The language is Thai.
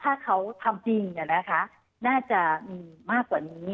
ถ้าเขาทำจริงน่าจะมีมากกว่านี้